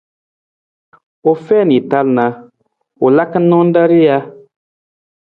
U fiin i tal na, u laka naan ra rija.